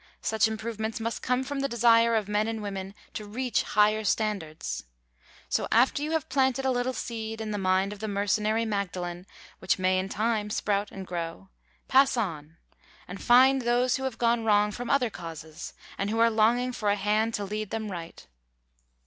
Such improvements must come from the desire of men and women to reach higher standards. So, after you have planted a little seed in the mind of the mercenary Magdalene which may in time sprout and grow, pass on, and find those who have gone wrong from other causes, and who are longing for a hand to lead them right.